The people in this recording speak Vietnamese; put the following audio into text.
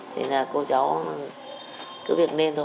thế là cô cháu cứ việc nên thôi